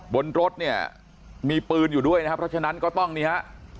บนรถเนี่ยมีปืนอยู่ด้วยนะครับเพราะฉะนั้นก็ต้องนี่ฮะ